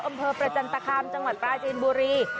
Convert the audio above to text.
อำเภอประจันตคามจังหวัดปลาจีนบุรี